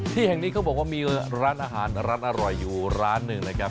ที่แห่งนี้เขาบอกว่ามีร้านอาหารร้านอร่อยอยู่ร้านหนึ่งนะครับ